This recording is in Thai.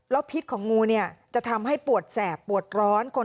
พิษของงูเนี่ยจะทำให้ปวดแสบปวดร้อน